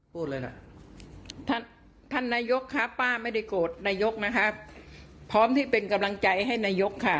พูดเลยน่ะท่านท่านนายกครับป้าไม่ได้โกรธนายกนะครับพร้อมที่เป็นกำลังใจให้นายกค่ะ